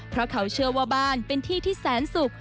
เพราะเขาเชื่อว่าบ้านเป็นที่ที่แสนสุข